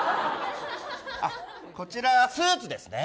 こちらがスーツですね。